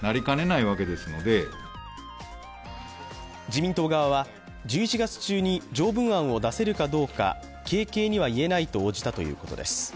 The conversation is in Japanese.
自民党側は１１月中に条文案を出せるかどうか軽々には言えないと応じたということです。